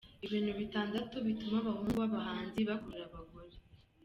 Ibintu Bitandatu bituma abahungu b’abahanzi bakurura abagore